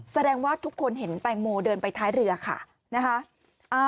แสดงว่าทุกคนเห็นแตงโมเดินไปท้ายเรือค่ะนะคะ